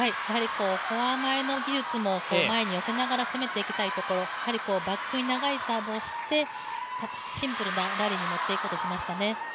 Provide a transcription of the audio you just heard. フォア前の技術も、前に寄せながら攻めていきたいところ、バックに長いサーブをしてシンプルなラリーに持っていこうとしましたね。